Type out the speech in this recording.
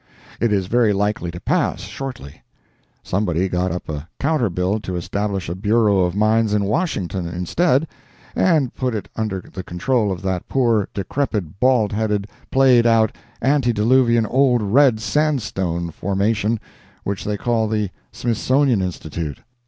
It is very likely to pass, shortly. Somebody got up a counter bill to establish a Bureau of Mines in Washington, instead, and put it under the control of that poor, decrepit, bald headed, played out, antediluvian Old Red Sandstone formation which they call the Smithsonian Institute.